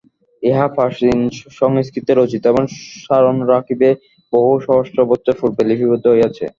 ইহা প্রাচীন সংস্কৃতে রচিত, এবং স্মরণ রাখিবে বহু সহস্র বৎসর পূর্বে লিপিবদ্ধ হইয়াছে।